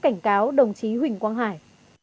cảnh cáo đồng chí huỳnh quang hải